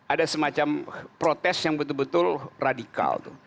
ada semacam protes yang betul betul radikal